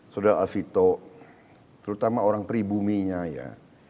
saudara alfito terutama orang pribuminya ya